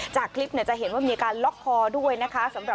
จากคลิปจะเห็นว่ามีการล็อกคอด้วยนะคะ